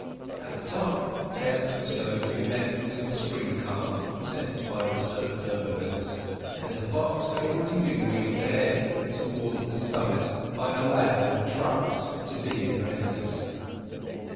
At the top Tess was going to be met with the spring cart sent by the Stoke d'Urbervilles, and her box had already been wheeled ahead towards this summit by a lad with trucks, to be in readiness.